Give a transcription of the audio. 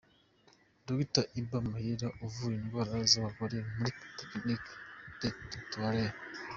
Dr Iba Mayele uvura indwara z'abagore muri Polyclinique del'Etoile.